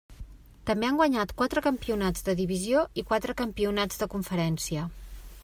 També han guanyat quatre campionats de divisió i quatre campionats de conferència.